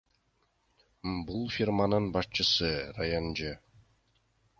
Бул фирманын башчысы Раян Ж.